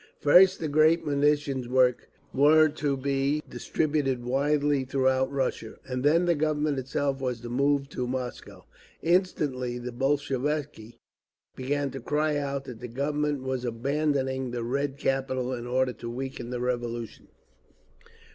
First the great munitions works were to go, distributed widely throughout Russia; and then the Government itself was to move to Moscow. Instantly the Bolsheviki began to cry out that the Government was abandoning the Red Capital in order to weaken the Revolution.